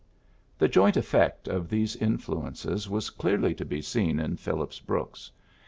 '^ The joint effect of these in fluences was clearly to be seen in Phil lips Brooks.